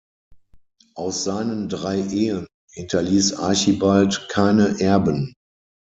Aus seinen drei Ehen hinterließ Archibald keine Erben.